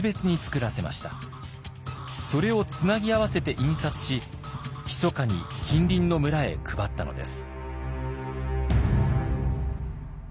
それをつなぎ合わせて印刷しひそかに近隣の村へ配ったのです。